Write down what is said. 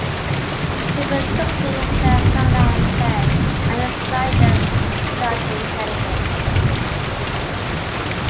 People took things that MacLaren said and applied them without intelligence.